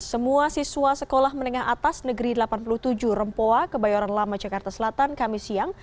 semua siswa sekolah menengah atas negeri delapan puluh tujuh rempoa kebayoran lama jakarta selatan kami siang